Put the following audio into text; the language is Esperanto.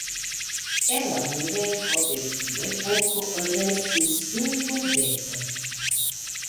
El la murego de tiu epoko restis du pordegoj.